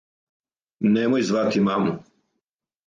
Немој звати маму.